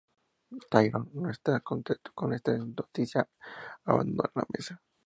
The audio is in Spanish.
Tyrion no está contento con esta noticia y abandona la mesa.